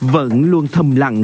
vẫn luôn thầm lặng